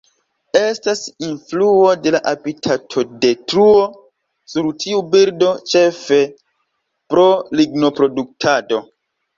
Estas influo de la habitatodetruo sur tiu birdo, ĉefe pro lignoproduktado.